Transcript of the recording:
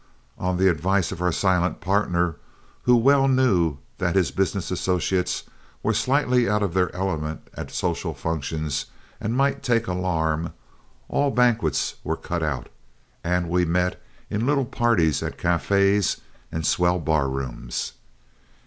On the advice of our silent partner, who well knew that his business associates were slightly out of their element at social functions and might take alarm, all banquets were cut out, and we met in little parties at cafés and swell barrooms.